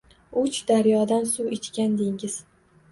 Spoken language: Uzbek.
Uch daryodan suv ichgan dengiz